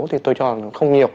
thì tôi cho là không nhiều